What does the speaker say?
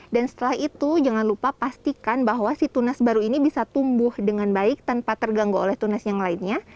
dan setelah itu jangan lupa pastikan bahwa si tunas baru ini bisa tumbuh dengan baik tanpa terganggu oleh tunas yang lainnya